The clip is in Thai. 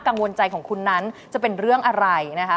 กังวลใจของคุณนั้นจะเป็นเรื่องอะไรนะคะ